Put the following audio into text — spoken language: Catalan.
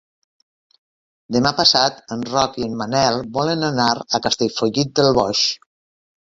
Demà passat en Roc i en Manel volen anar a Castellfollit del Boix.